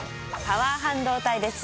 パワー半導体です。